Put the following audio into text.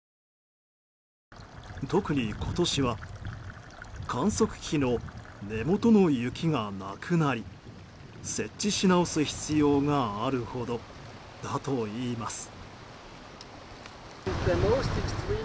特に今年は観測機器の根元の雪がなくなり設置しなおす必要があるほどだといいます。